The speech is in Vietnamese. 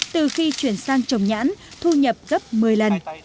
từ khi chuyển sang trồng nhãn thu nhập gấp một mươi lần